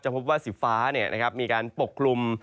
จะพบว่าสีฟ้าเนี่ยนะครับมีการปกคลุม